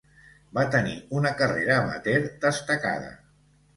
Va tenir una carrera amateur destacada.